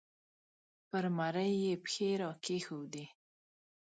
پر مرۍ یې پښې را کېښودې